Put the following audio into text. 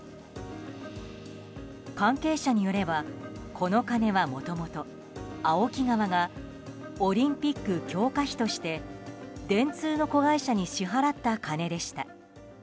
関係者によればこの金は、もともとＡＯＫＩ側がオリンピック強化費として電通の子会社に支払った金でした。